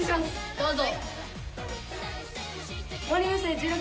どうぞ。